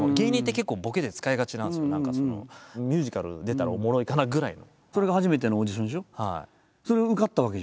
ミュージカル出たらおもろいかなぐらいの。